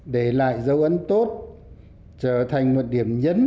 để lại giới thiệu để lại giới thiệu để lại giới thiệu để lại giới thiệu để lại giới thiệu